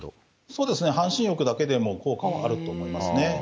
そうですね、半身浴だけでも、効果はあると思いますね。